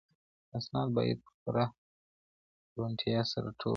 اسناد باید په پوره روڼتیا سره ټولو ته ښکاره سی.